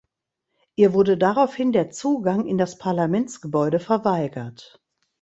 Ihr wurde daraufhin der Zugang in das Parlamentsgebäude verweigert.